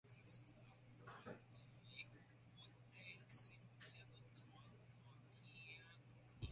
臺中市纖維工藝博物館